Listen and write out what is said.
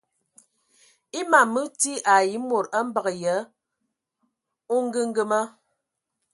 E mam mə ti ai e mod a mbəgə yə a ongəngəma.